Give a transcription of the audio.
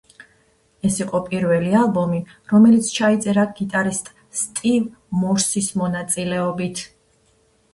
ეს იყო პირველი ალბომი, რომელიც ჩაიწერა გიტარისტ სტივ მორსის მონაწილეობით.